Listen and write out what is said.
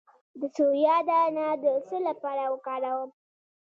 د سویا دانه د څه لپاره وکاروم؟